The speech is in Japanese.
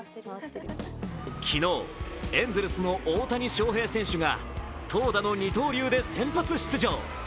昨日、エンゼルスの大谷翔平選手が投打の二刀流で先発出場。